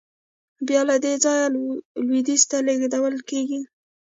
بیا له دې ځایه لوېدیځ ته لېږدول کېدل.